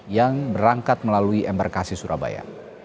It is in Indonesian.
yang berangkat melalui embarkasi surabaya